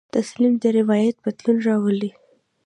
تسلیم د روایت بدلون راولي.